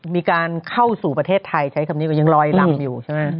มีการเข้าสู่ประเทศไทยใช้คำนี้ก็ยังลอยลำอยู่ใช่ไหม